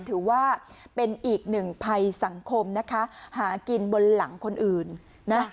ถือว่าเป็นอีกหนึ่งภัยสังคมนะคะหากินบนหลังคนอื่นนะ